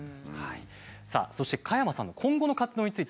さあそして加山さんの今後の活動について。